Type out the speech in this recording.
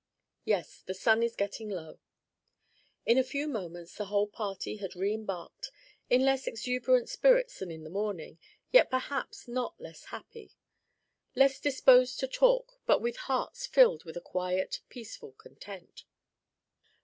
"Yes, the sun is getting low." In a few moments the whole party had reembarked; in less exuberant spirits than in the morning, yet perhaps not less happy: little disposed to talk, but with hearts filled with a quiet, peaceful content.